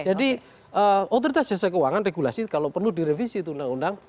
jadi otoritas jasa keuangan regulasi kalau perlu direvisi itu undang undang